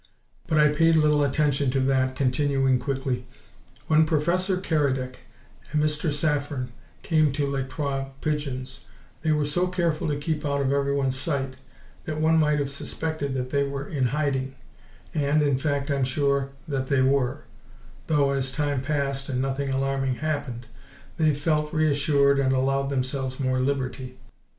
But I paid little attention to that, continuing quickly: "When Professor Keredec and Mr. Saffren came to Les Trois Pigeons, they were so careful to keep out of everybody's sight that one might have suspected that they were in hiding and, in fact, I'm sure that they were though, as time passed and nothing alarming happened, they've felt reassured and allowed themselves more liberty.